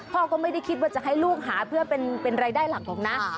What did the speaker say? พ่อก็ไม่ได้คิดว่าจะให้ลูกหาเพื่อเป็นรายได้หลักหรอกนะ